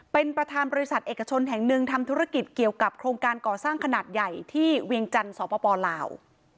เป็นประธานบริษัทเอกชนแห่งหนึ่งทำธุรกิจเกี่ยวกับโครงการก่อสร้างขนาดใหญ่ที่เวียงจันทร์สปลาว